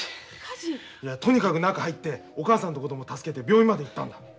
とにかく中へ入ってお母さんと子供を助けて病院まで行ったんだ。